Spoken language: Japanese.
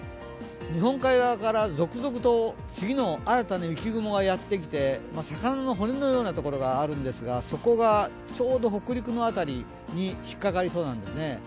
日本海側から続々と次の新たな雪雲がやってきて魚の骨のようなところがあるんですがそこがちょうど北陸の辺りに引っ掛かりそうなんですね。